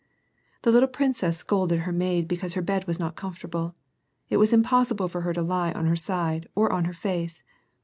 The little princess scolded her maid because her bed was not comfortable. It was impossible for her to lie on her side, or on her face.